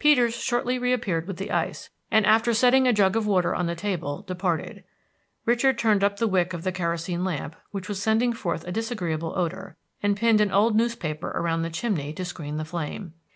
Peters shortly reappeared with the ice, and after setting a jug of water on the table departed. Richard turned up the wick of the kerosene lamp, which was sending forth a disagreeable odor, and pinned an old newspaper around the chimney to screen the flame.